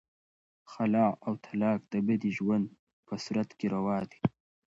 خلع او طلاق د بدې ژوند په صورت کې روا دي.